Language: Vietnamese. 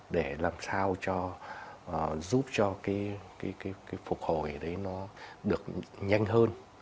để làm sao cho giúp cho cái phục hồi đấy nó được nhanh hơn